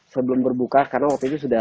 sebelum berbuka karena waktu itu sudah